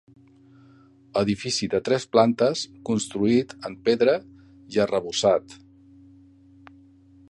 Edifici de tres plantes, construït en pedra i arrebossat.